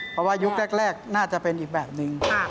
เพราะว่ายุคแรกน่าจะเป็นอีกแบบนึง